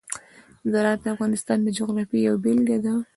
زراعت د افغانستان د جغرافیې یوه بېلګه ده.